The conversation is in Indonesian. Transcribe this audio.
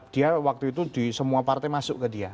dia waktu itu di semua partai masuk ke dia